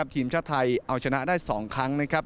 ทีมชาติไทยเอาชนะได้๒ครั้ง